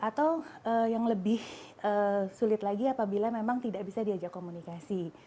atau yang lebih sulit lagi apabila memang tidak bisa diajak komunikasi